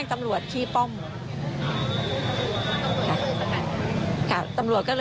ในสื่อพิมพ์เขาก็